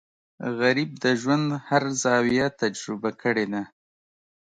غریب د ژوند هر زاویه تجربه کړې ده